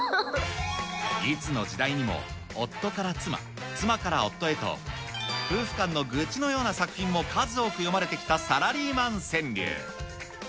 いつの時代にも夫から妻、妻から夫へと、夫婦間の愚痴のような作品も数多く詠まれてきたサラリーマン川柳。